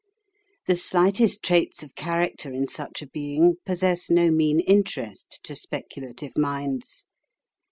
The slightest traits of character in such a being, possess no mean interest to speculative minds.